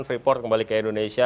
freeport kembali ke indonesia